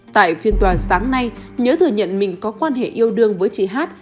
tại phiên tòa sáng nay nhớ thừa nhận mình có quan hệ yêu đương với chị hát